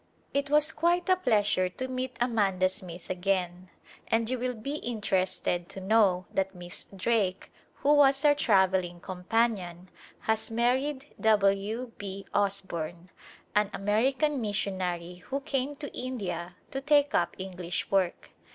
It was quite a pleasure to meet Amanda Smith again, and you will be interested to know that Miss Drake, who was our travelling companion, has married W. B. Osborne, an American missionary who came to India to take up English work.